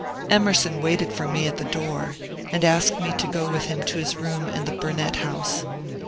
Emerson waited for me at the door, and asked me to go with him to his room in the Burnet House.